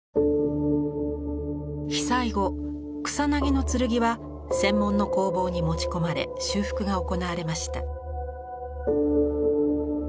被災後「草薙の剣」は専門の工房に持ち込まれ修復が行われました。